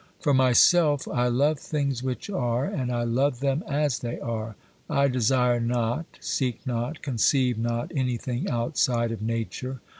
For myself I love things which are, and I love them as they are. I desire not, seek not, conceive not anything outside of Nature.